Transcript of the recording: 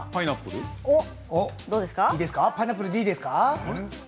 パイナップルでいいですか。